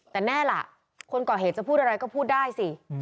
แต่แน่ล่ะคนก่อเหตุจะพูดอะไรก็พูดได้สิ